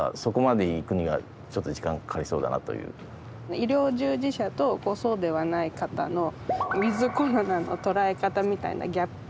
医療従事者とそうではない方のウィズコロナの捉え方みたいなギャップ？